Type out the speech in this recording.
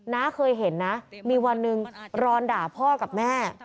น้าเคยเห็นนะมีวันหนึ่งรอนด่าพ่อกับแม่